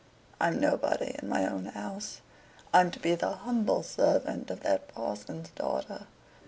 "I'm nobody in my own house. I'm to be the humble servant of that parson's daughter.